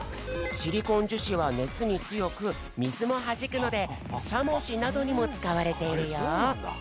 シリコンじゅしはねつにつよくみずもはじくのでしゃもじなどにもつかわれているよ。